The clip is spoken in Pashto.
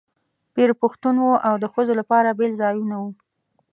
پیر پښتون و او د ښځو لپاره بېل ځایونه وو.